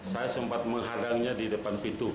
saya sempat menghadangnya di depan pintu